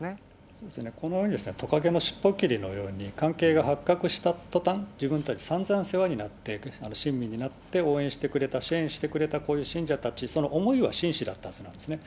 そうですね、とかげの尻尾切りのように、関係が発覚したとたん、自分たち、さんざん世話になって親身になって応援してくれた、支援してくれた、こういう信者たち、その思いは真摯だったはずなんですね。